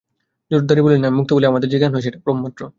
জড়বাদী বলেন, আমি মুক্ত বলে আমাদের যে জ্ঞান হয়, সেটা ভ্রমমাত্র।